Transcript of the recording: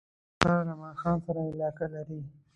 کوتره له ماښام سره علاقه لري.